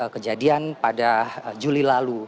kejadian pada juli lalu